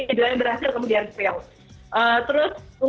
jangan semuanya mau dibeli gitu